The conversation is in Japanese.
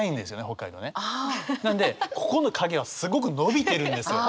なのでここの影はすごく伸びてるんですよ。